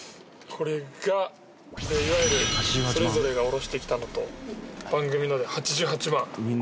これがいわゆるそれぞれが下ろしてきたのと番組ので８８万。